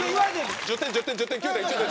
１０点１０点１０点９点９点。